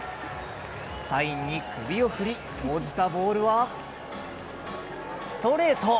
サインに首を振り投じたボールはストレート。